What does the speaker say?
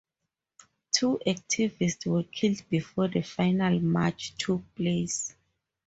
Two activists were killed before the final march took place.